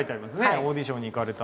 オーディションに行かれたのは。